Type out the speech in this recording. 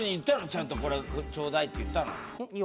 ちゃんと「これちょうだい」って言ったの？